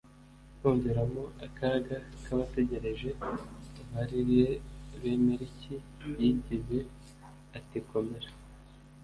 kumviramo akaga kabategereje Val rie Bemeriki yagize ati komera